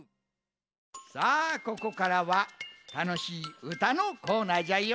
さあここからはたのしいうたのコーナーじゃよ。